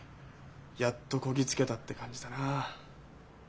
「やっとこぎ着けた」って感じだな。